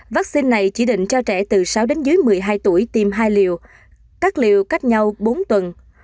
vaccine này chỉ định cho trẻ từ sáu đến dưới một mươi hai tuổi tiêm hai liều các liều cách nhau bốn tuần